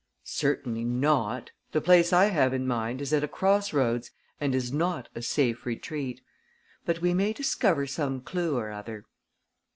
"Certainly not. The place I have in mind is at a cross roads and is not a safe retreat. But we may discover some clue or other."